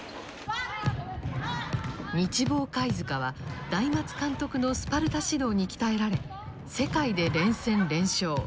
日紡貝塚は大松監督のスパルタ指導に鍛えられ世界で連戦連勝